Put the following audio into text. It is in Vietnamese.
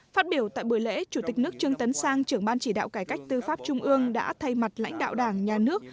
phát biểu tại buổi lễ chủ tịch nước trương tấn sang trưởng ban chỉ đạo cải cách tư pháp trung ương đã thay mặt lãnh đạo đảng nhà nước